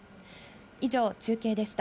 以上、中継でした。